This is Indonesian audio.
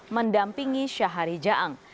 mendampingi syahari jaang